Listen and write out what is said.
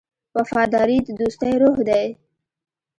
وفاداري د دوستۍ روح دی.